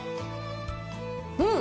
うん！